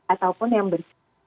ataupun yang berkata